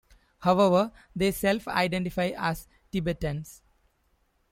However, they self-identify as Tibetans.